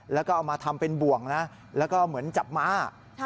แล้วก็เอามาทำเป็นบ่วงนะแล้วก็เหมือนจับม้า